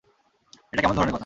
এটা কেমন ধরণের কথা?